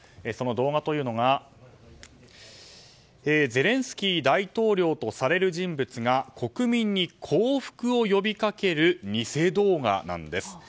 その動画というのがゼレンスキー大統領とされる人物が国民に降伏を呼びかける偽動画なんです。